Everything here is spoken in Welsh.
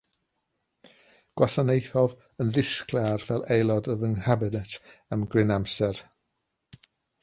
Gwasanaethodd yn ddisglair fel aelod o fy Nghabinet am gryn amser.